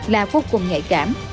là cuối cùng nhạy cảm